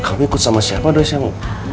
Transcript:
kamu ikut sama siapa dois yang